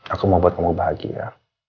aku mau buat kamu bahagia